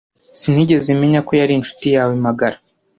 Sinigeze menya ko yari inshuti yawe magara.